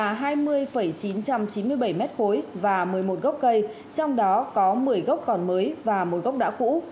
hạt kiếm lâm huyện kro nga na gửi đến một chín trăm chín mươi bảy m ba và một mươi một gốc cây trong đó có một mươi gốc còn mới và một gốc đã cũ